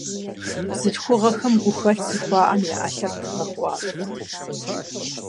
Бзылъхугъэхэм гухэлъ зыхуаӏэм я ӏэлъэр тыгъэ хуащӏырт.